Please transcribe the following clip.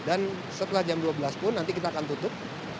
dan setelah jam dua belas pun nanti kita akan tutup